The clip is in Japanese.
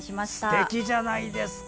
すてきじゃないですか。